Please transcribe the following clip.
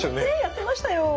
やってましたよ。